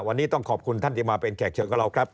วันนี้ต้องขอบคุณท่านที่มาเป็นแขกเชิญกับเราครับ